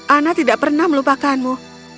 ana tidak pernah melupakanmu